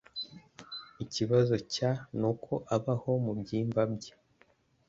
Ikibazo cya nuko abaho mubyimba bye.